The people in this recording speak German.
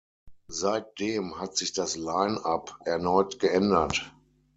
Seitdem hat sich das Line-up erneut geändert.